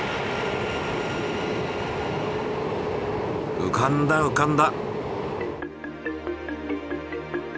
浮かんだ浮かんだ！